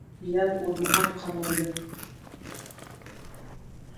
Яҙ урмаһаң ҡамылды